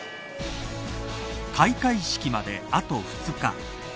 開会式まであと２日。